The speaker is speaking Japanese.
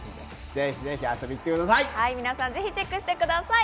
ぜひぜひ遊びに来てください。